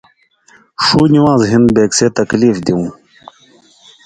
ݜُو نِوان٘ز ہِن بیکسے تکلیف دیوں